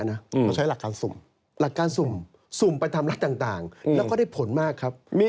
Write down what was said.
เขาใช้หลักการสุ่มหลักการสุ่มไปทำรัฐต่างแล้วก็ได้ผลมากครับ